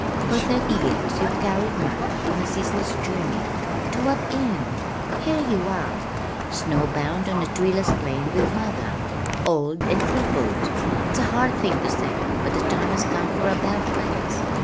For thirty years you've carried mother on a ceaseless journey to what end? Here you are, snowbound on a treeless plain with mother old and crippled. It's a hard thing to say but the time has come for a 'bout face.